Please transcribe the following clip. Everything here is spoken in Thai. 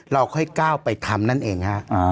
เราค่อยก้าวไปทำนั่นเองฮะ